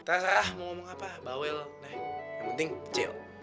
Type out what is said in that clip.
aduh kiragan jelek banget